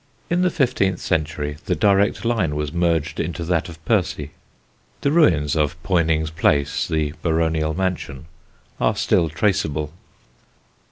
In the fifteenth century the direct line was merged into that of Percy. The ruins of Ponyngs Place, the baronial mansion, are still traceable.